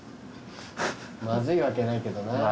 まずいわけないけどな。